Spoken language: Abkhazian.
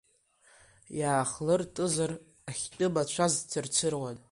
Иаахлыртызар, ахьтәы мацәаз цырцыруан.